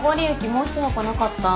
もう１箱なかった？